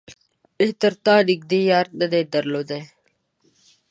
مې تر تا نږدې يار نه دی درلودلی.